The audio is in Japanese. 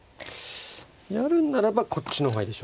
やるんならばこっちの方がいいでしょうね。